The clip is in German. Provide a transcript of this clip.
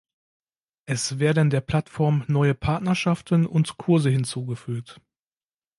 Es werden der Plattform neue Partnerschaften und Kurse hinzugefügt.